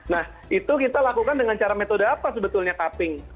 nah itu kita lakukan dengan cara metode apa sebetulnya cupping